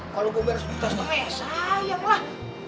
kalau gue bayar sebutas tuh ya sayang lah